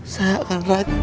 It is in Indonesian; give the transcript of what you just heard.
saya akan rajin